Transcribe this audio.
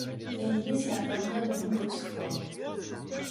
Élise la peindra de nombreuses fois.